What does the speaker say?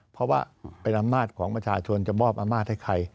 เพราะว่าเป็นอำนาจของประชาชนจะมอบอำนาจให้ใคร